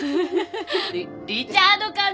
リチャードかな？